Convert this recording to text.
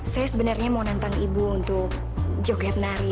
saya sebenarnya mau nantang ibu untuk joget nari